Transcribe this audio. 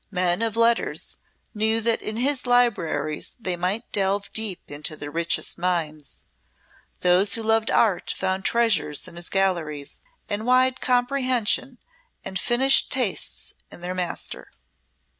Men of letters knew that in his libraries they might delve deep into the richest mines. Those who loved art found treasures in his galleries, and wide comprehension and finished tastes in their master.